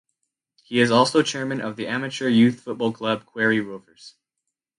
He is also chairman of the amateur youth football club Quarry Rovers.